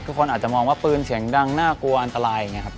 ทุกคนอาจจะมองว่าปืนเสียงดังน่ากลัวอันตราย